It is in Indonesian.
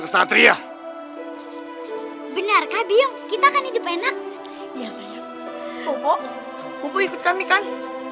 jawab dinda naungulan